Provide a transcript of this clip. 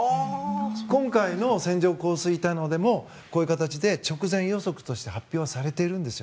今回の線状降水帯でもこういう形で直前予測として発表されているんです。